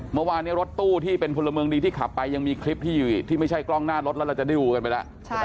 เมื่อวานนี้รถตู้ที่เป็นพลเมืองดีที่ขับไปยังมีคลิปที่อยู่ที่ไม่ใช่กล้องหน้ารถแล้วเราจะได้ดูกันไปแล้ว